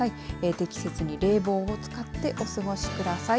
適切に冷房を使ってお過ごしください。